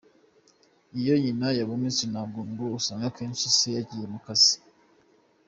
Iyo nyina yabonetse nabwo ngo usanga akenshi se yagiye mu kazi.